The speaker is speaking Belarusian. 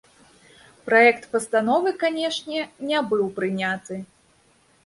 Праект пастановы, канешне, не быў прыняты.